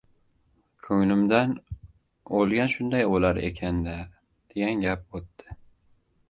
Ko‘nglimdan, o‘lgan shunday o‘lar ekan-da, degan gap o‘tdi.